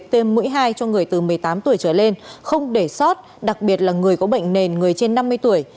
tuổi trở lên không để sót đặc biệt là người có bệnh nền người trên năm mươi tuổi